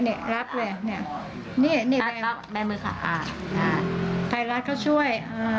นี่รับเลยใครรักก็ช่วย